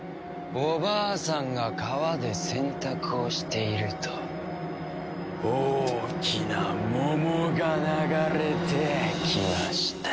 おばあさんが川で洗濯をしていると大きな桃が流れてきました。